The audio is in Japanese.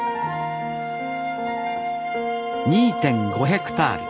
２．５ヘクタール。